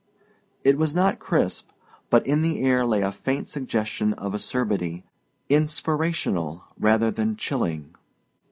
It was not crisp, but in the air lay a faint suggestion of acerbity, inspirational rather than chilling.